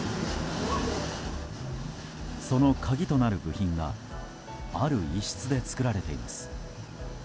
その鍵となる部品がある一室で作られています。